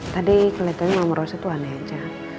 tadi keliatan mama rosa tuh aneh aja